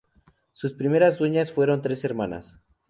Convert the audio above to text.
Sus primeras dueñas fueron tres hermanas.